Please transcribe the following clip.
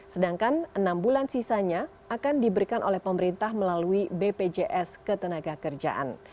sedangkan enam bulan sisanya akan diberikan oleh pemerintah melalui bpjs ketenaga kerjaan